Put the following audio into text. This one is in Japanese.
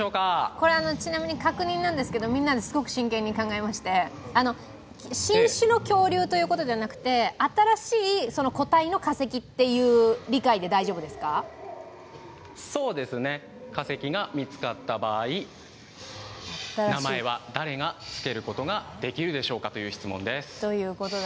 これ、ちなみに確認なんですけどみんなですごく真剣に考えて、新種の恐竜ということではなくて新しい個体の化石っていう理解で大丈夫ですかそうですね、化石が見つかった場合、名前は誰がつけることができるでしょうかという質問です。